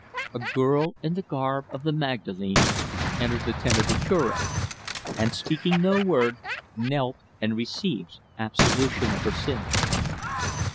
A girl, in the garb of the Magdalene, entered the tent of the Cure, and, speaking no word, knelt and received absolution of her sins.